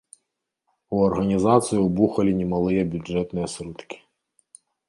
У арганізацыю ўбухалі немалыя бюджэтных сродкі.